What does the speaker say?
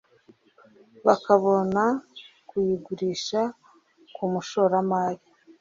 bakabona kuyigurisha ku mushoramari